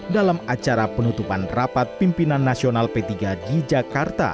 dalam acara penutupan rapat pimpinan nasional p tiga di jakarta